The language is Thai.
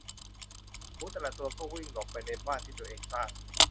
หมูแต่ละตัวก็วิ่งไปหลบในบ้านที่ตัวเองสร้าง